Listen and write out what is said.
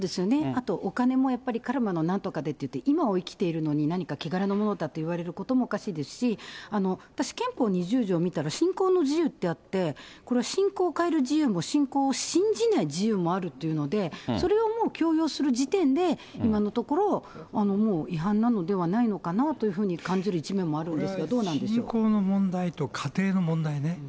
あとお金もやっぱり、カルマのなんとかって、今を生きてるのに、何か穢れのものだといわれることもおかしいですし、私、憲法２０条見たら、信仰の自由ってあって、これは信仰を変える自由も、信仰信じない自由もあるというので、それをもう強要する時点で、今のところ、もう違反なのではないのかなと感じる一面もあるんで信仰の問題と家庭の問題ね。